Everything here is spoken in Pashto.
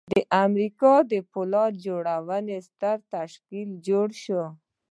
د امریکا د پولاد جوړولو ستر تشکیل جوړ شو